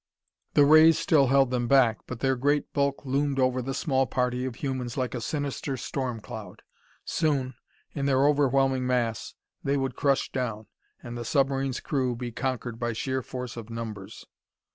The rays still held them back, but their great bulk loomed over the small party of humans like a sinister storm cloud. Soon, in their overwhelming mass, they would crush down, and the submarine's crew be conquered by sheer force of numbers.